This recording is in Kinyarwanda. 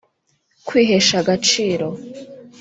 Kwihesha agaciro